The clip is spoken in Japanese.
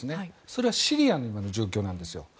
それはシリアの状況なんですよ。